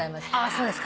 そうですか。